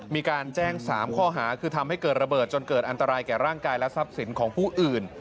มีการแจ้ง๓ข้อหาคือทำให้เกิดระเบิดจนเกิดอันตรายแก่ร่างกายและทรัพย์สินของผู้อื่น